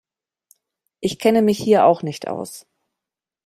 Ich kenne mich hier auch nicht aus.